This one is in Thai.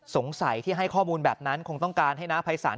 สงสัยที่ให้ข้อมูลแบบนั้นคงต้องการให้น้าภัยศาล